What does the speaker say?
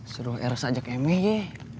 suruh eros ajak eme ye